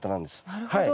なるほど。